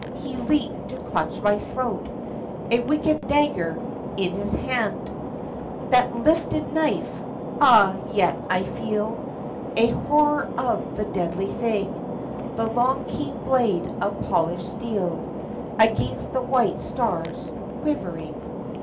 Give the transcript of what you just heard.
He leaped to clutch my throat, A wicked dagger in his hand ! That lifted knife ! Ah, yet I feel A horror of the deadly thing !— The long keen blade of polished steel Against the white stars quivering.